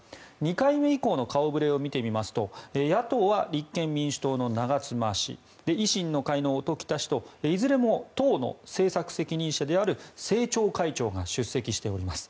２回目以降の顔ぶれを見てみますと野党は立憲民主党の長妻氏維新の会の音喜多氏といずれも党の政策責任者である政調会長が出席しております。